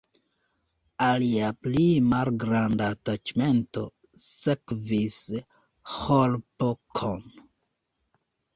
Alia pli malgranda taĉmento sekvis Ĥlopkon.